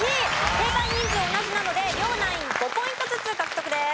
正解人数同じなので両ナイン５ポイントずつ獲得です。